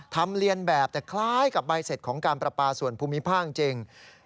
เรียนแบบแต่คล้ายกับใบเสร็จของการประปาส่วนภูมิภาคจริง